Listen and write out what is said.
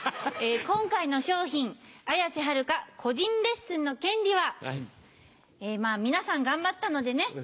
今回の賞品綾瀬はるか個人レッスンの権利は皆さん頑張ったのでね